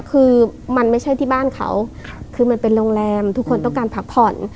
คือมันไม่ใช่ที่บ้านเขาคือมันเป็นโรงแรมทุกคนต้องการพักผ่อน